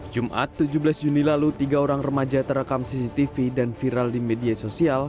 jumat tujuh belas juni lalu tiga orang remaja terekam cctv dan viral di media sosial